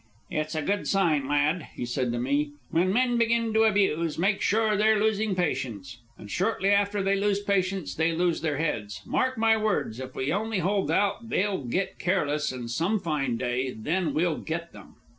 "It's a good sign, lad," he said to me. "When men begin to abuse, make sure they're losing patience; and shortly after they lose patience, they lose their heads. Mark my words, if we only hold out, they'll get careless some fine day, and then we'll get them."